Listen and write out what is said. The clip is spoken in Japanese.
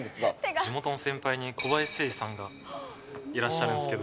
地元の先輩に小林誠司さんがいらっしゃるんですけど。